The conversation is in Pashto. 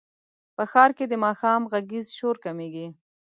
په ښار کې د ماښام غږیز شور کمېږي.